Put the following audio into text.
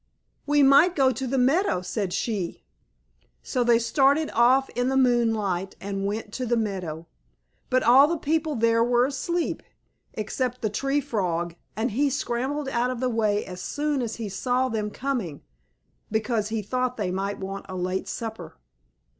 "We might go to the meadow," said she. So they started off in the moonlight and went to the meadow, but all the people there were asleep, except the Tree Frog, and he scrambled out of the way as soon as he saw them coming, because he thought they might want a late supper.